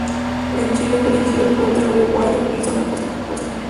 En Chile fue dirigido por otro uruguayo, Nelson Acosta.